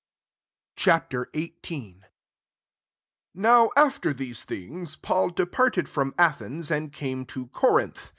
Ch. XVIII. 1 NOW after these things, Paul departed from Athens, and came to Corinth.